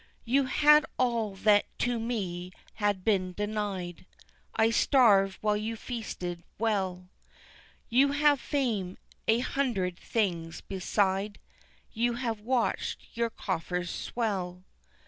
You had all that to me had been denied, I starved while you feasted well, You have fame, and a hundred things beside, You have watched your coffers swell.